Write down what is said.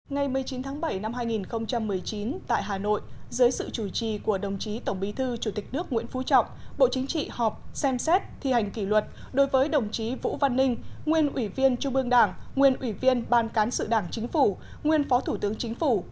ngày một mươi chín tháng bảy năm hai nghìn một mươi chín tại hà nội dưới sự chủ trì của đồng chí tổng bí thư chủ tịch nước nguyễn phú trọng bộ chính trị họp xem xét thi hành kỷ luật đối với đồng chí vũ văn ninh nguyên ủy viên trung ương đảng nguyên ủy viên ban cán sự đảng chính phủ nguyên phó thủ tướng chính phủ